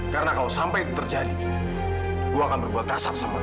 karena kalau sampai itu terjadi gue akan berbuat kasar sama lo